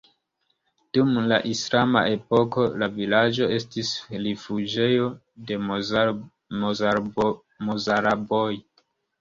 Dum la islama epoko la vilaĝo estis rifuĝejo de mozaraboj.